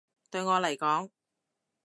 對我嚟講